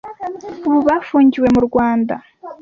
Ubu bafungiwe mu Rwanda